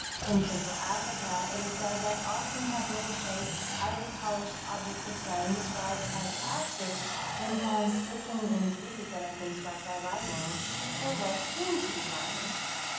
In Central Africa, it is said that often have wedge shaped, highly polished objects of stone, described as "axes," been found sticking in trees that have been struck by lightning or by what seemed to be lightning.